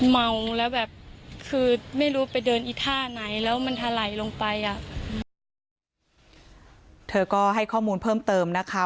เมาแล้วแบบคือไม่รู้ไปเดินอีท่าไหนแล้วมันถลายลงไปอ่ะเธอก็ให้ข้อมูลเพิ่มเติมนะคะ